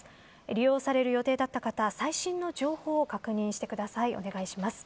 利用される予定だった方は最新の情報を確認してください。